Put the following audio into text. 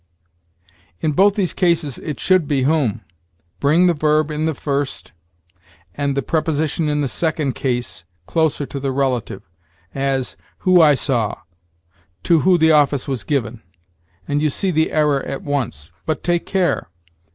In both these cases it should be whom. Bring the verb in the first and the preposition in the second case closer to the relative, as, who I saw, to who the office was given, and you see the error at once. But take care!